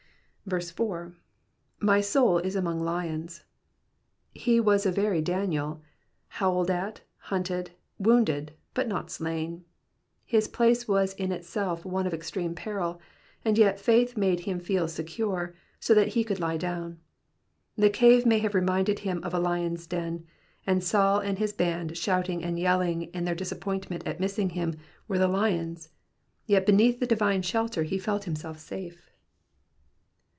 4. "ify soul is among lions.'*^ He was a very Daniel. Howled at, hunted, wounded, but not slain. His place was in itself one of extreme peril, and yet faith made him feel himself secure, so that he could lie down. The cave may have reminded him of a lion's den, and Saul and his band shouting and yelling in their disappointment at missing him, were the lions ; yet beneath the divine shelter be felt himself safe.